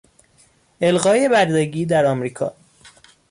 الغای بردگی در امریکا